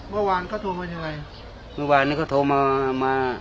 เมื่อวานเขาโทรมายังไง